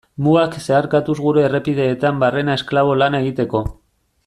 Mugak zeharkatuz gure errepideetan barrena esklabo lana egiteko.